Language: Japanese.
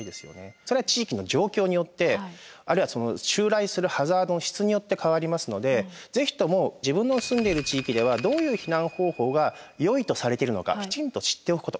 それは地域の状況によってあるいは襲来するハザードの質によって変わりますのでぜひとも自分の住んでいる地域ではどういう避難方法がよいとされているのかきちんと知っておくこと。